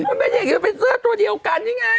มันไม่ได้ยึบเป็นเสื้อตัวเดียวกันยังไง